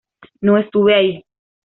No estuve ahí.